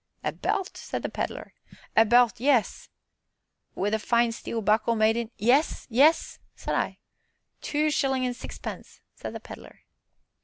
"A belt?" said the Pedler. "A belt, yes." "Wi' a fine steel buckle made in " "Yes yes!" said I. "Two shillin' an' sixpence!" said the Pedler.